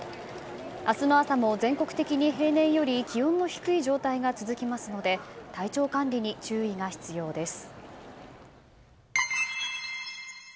明日の朝も全国的に平年より気温の低い状態が続きますので最新のニュースをお伝えします。